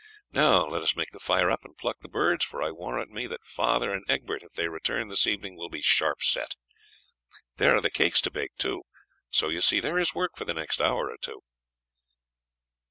Now let us make the fire up and pluck the birds, for I warrant me that father and Egbert, if they return this evening, will be sharp set. There are the cakes to bake too, so you see there is work for the next hour or two."